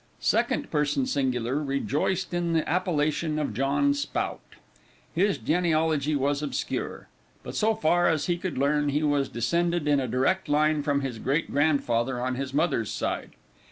Second person singular rejoiced in the appellation of John Spout. His genealogy was obscure, but so far as he could learn, he was descended in a direct line from his great grandfather on his mother's side.